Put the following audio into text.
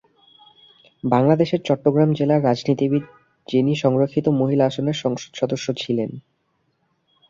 বাংলাদেশের চট্টগ্রাম জেলার রাজনীতিবিদ যিনি সংরক্ষিত মহিলা আসনের সংসদ সদস্য ছিলেন।